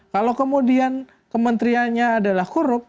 kalau kemudian kementeriannya adalah huruf